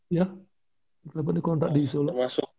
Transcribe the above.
iya dua kontak di isola